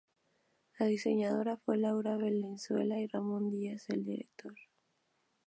La presentadora fue Laura Valenzuela y Ramón Díez, el director.